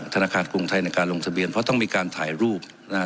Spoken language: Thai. ธนาคารกรุงไทยในการลงทะเบียนเพราะต้องมีการถ่ายรูปนะฮะ